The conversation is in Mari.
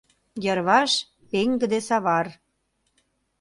Йырваш — пеҥгыде савар.